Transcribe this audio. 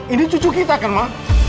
ini cucu kita kan ma